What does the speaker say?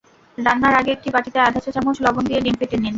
রান্নার আগে একটি বাটিতে আধা চা–চামচ লবণ দিয়ে ডিম ফেটে নিন।